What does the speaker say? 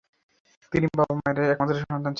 তিনি বাবা মায়ের একমাত্র সন্তান ছিলেন।